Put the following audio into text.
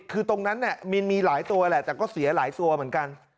คือตรงนั้นมินมีหลายตัวแหละแต่ก็เสียหลายตัวเหมือนกัน